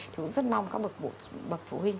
thì cũng rất mong các bậc phụ huynh